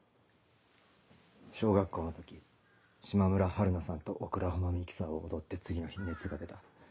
小学校の時島村春菜さんとオクラホマミキサーを踊って次の日熱が出た。